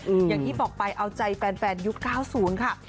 อย่างที่บอกไปเอาใจแฟนยุค๙๐ค่ะ